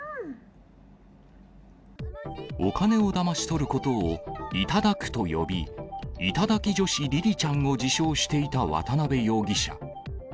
お金をだまし取ることを頂くと呼び、頂き女子りりちゃんを自称していた渡辺容疑者。